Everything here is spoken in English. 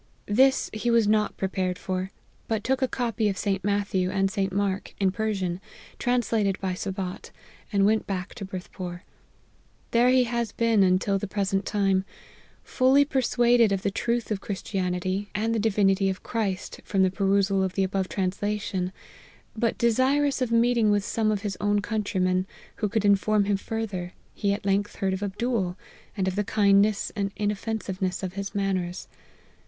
This he was not prepared for, but took a copy of St. Matthew and St. Mark, in Per sian, translated by Sabat, and went back to Berth pore. There he has been until the present time, fully persuaded of the truth of Christianity, and the divinity of Christ, from the perusal of the above translation, but desirous of meeting with some of his own countrymen, who could inform him fur ther ; he at length heard of Abdool, and of the kind ness and inoffensiveness of his manners.